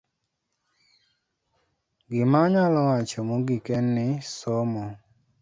Gima anyalo wacho mogik en ni, somo